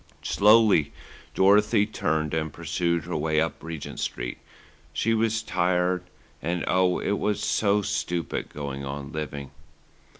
Slowly Dorothy turned and pursued her way up Regent Street. She was tired and and, oh! it was so stupid, going on living.